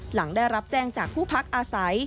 หลังได้รับแจ้งจากผู้พักอาศัย